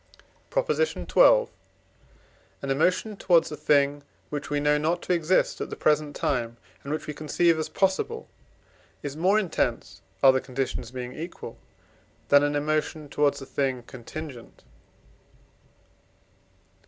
PROP. XII. An emotion towards a thing, which we know not to exist at the present time, and which we conceive as possible, is more intense, other conditions being equal, than an emotion towards a thing contingent.